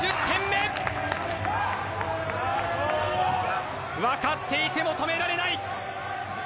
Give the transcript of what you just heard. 分かっていても止められない。